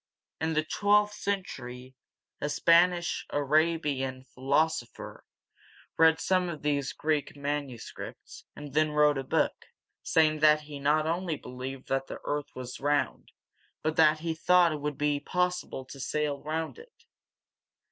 In the twelfth century a Spanish A ra´bi an philosopher read some of these Greek manuscripts, and then wrote a book, saying that he not only believed that the earth is round, but that he thought it would be possible to sail around it!